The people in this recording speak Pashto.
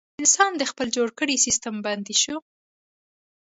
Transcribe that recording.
انسان د خپل جوړ کړي سیستم بندي شو.